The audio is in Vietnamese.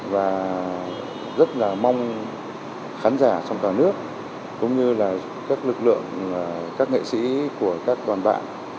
và rất là mong khán giả trong cả nước cũng như là các lực lượng các nghệ sĩ của các đoàn bạn